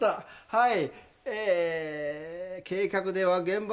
はい。